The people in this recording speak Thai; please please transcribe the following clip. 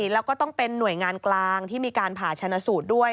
แล้วก็ต้องเป็นหน่วยงานกลางที่มีการผ่าชนะสูตรด้วย